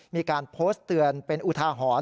มีการโพสต์เตือนเป็นอุทาหรณ์